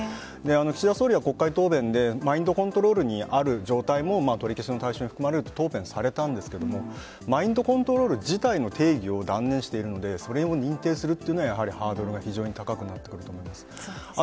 岸田総理は国会答弁でマインドコントロールにある状態も取り消しの対象に含まれると答弁されたんですけどマインドコントロール自体の定義を断念しているのでそれを認定するのはハードルが非常に高くなってくると思います。